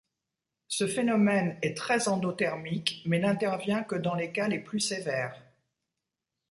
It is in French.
Ce phénomène est très endothermique mais n'intervient que dans les cas les plus sévères.